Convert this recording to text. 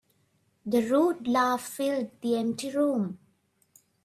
The rude laugh filled the empty room.